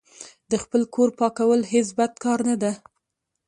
د خپل کور پاکول هیڅ بد کار نه ده.